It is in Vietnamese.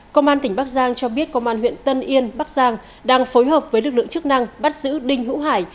công an tỉnh bắc giang cho biết công an huyện tân yên bắc giang đang phối hợp với lực lượng chức năng bắt giữ đinh hữu hải